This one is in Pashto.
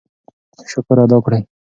شکر ادا کړئ.